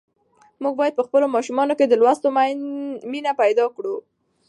موږ باید په خپلو ماشومانو کې د لوستلو مینه پیدا کړو.